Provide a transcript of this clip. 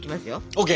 ＯＫ！